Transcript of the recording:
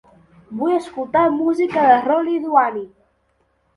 Vull escoltar música de Roni Duani.